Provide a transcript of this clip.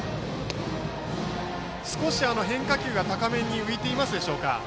少し変化球が高めに浮いているでしょうか。